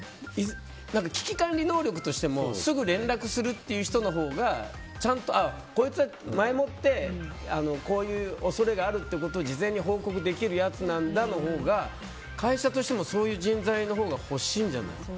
危機管理能力としてもすぐ連絡する人のほうがこいつは前もってこういう恐れがあるっていうことを事前に報告できるやつなんだのほうが会社としてもそういう人材のほうが欲しいんじゃない？